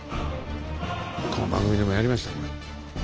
この番組でもやりましたね。